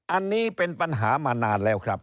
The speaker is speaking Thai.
อันนี้เป็นปัญหามานานแล้วครับ